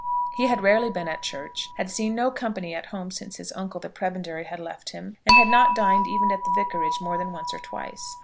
He had rarely been at church, had seen no company at home since his uncle, the prebendary, had left him, and had not dined even at the Vicarage more than once or twice.